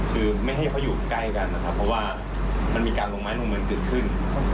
คือไม่ให้เขาอยู่ใกล้กันนะครับเพราะว่ามันมีการลงไม้ลงมือเกิดขึ้น